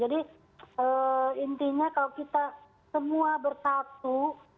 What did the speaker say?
jadi intinya kalau kita semua bersatu